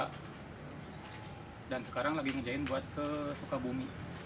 dan sekarang lagi ngejain buat ke sukabumi